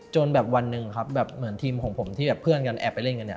จนแบบวันหนึ่งครับแบบเหมือนทีมของผมที่แบบเพื่อนกันแอบไปเล่นกันเนี่ย